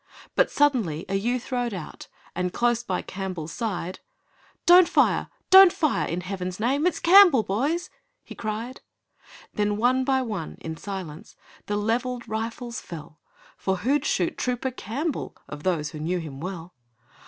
But suddenly a youth rode out, And, close by Campbell's side: 'Don't fire! don't fire, in heaven's name! It's Campbell, boys!' he cried. Then one by one in silence The levelled rifles fell, For who'd shoot Trooper Campbell Of those who knew him well?